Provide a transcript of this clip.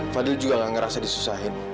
fadil juga gak ngerasa disusahin